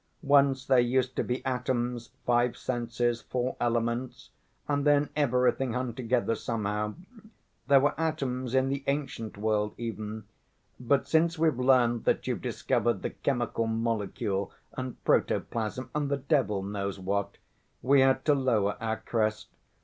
Once there used to be atoms, five senses, four elements, and then everything hung together somehow. There were atoms in the ancient world even, but since we've learned that you've discovered the chemical molecule and protoplasm and the devil knows what, we had to lower our crest.